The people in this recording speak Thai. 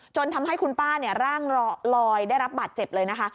จนทำให้คุณป้าร่างลอยได้รับบาดเจ็บเลยนะคะ